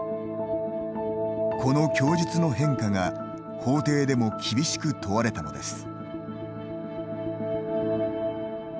この供述の変化が法廷でも厳しく問われたのです。